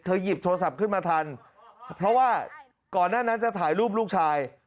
หยิบโทรศัพท์ขึ้นมาทันเพราะว่าก่อนหน้านั้นจะถ่ายรูปลูกชาย